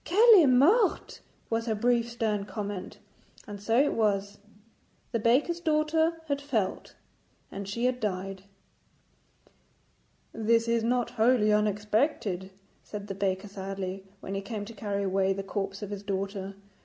'Qu'elle est morte,' was her brief stern comment. And so it was. The baker's daughter had felt, and she had died. 'This is not wholly unexpected,' said the baker sadly, when he came to carry away the corpse of his daughter.